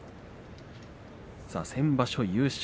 先場所優勝。